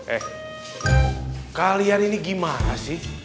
eh kalian ini gimana sih